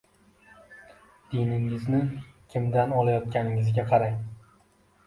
Diningizni kimdan olayotganingizga qarang.